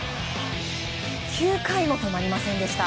９回も止まりませんでした。